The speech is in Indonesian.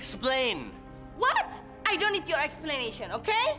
sampai jumpa di video selanjutnya